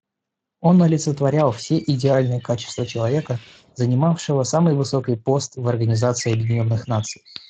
Он олицетворял все идеальные качества человека, занимавшего самый высокий пост в Организации Объединенных Наций.